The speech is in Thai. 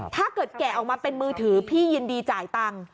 ถ้าเกิดเกะออกมาเป็นมือถือพี่ยันดีจ่ายตัง